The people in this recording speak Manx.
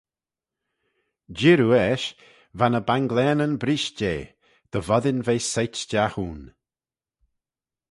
Jir oo eisht, Va ny banglaneyn brisht jeh, dy voddin ve soit stiagh ayn.